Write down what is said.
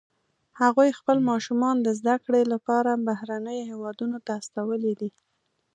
هغوی خپل ماشومان د زده کړې لپاره بهرنیو هیوادونو ته استولي دي